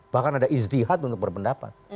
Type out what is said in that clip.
bahkan ada istihad untuk berpendapat